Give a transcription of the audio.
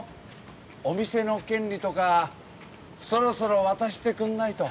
お店の権利とかそろそろ渡してくんないと。